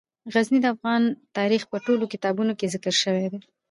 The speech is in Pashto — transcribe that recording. غزني د افغان تاریخ په ټولو کتابونو کې ذکر شوی دی.